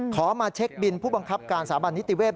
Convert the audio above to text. ขอมาเช็คบินผู้บังคับการสถาบันนิติเวศ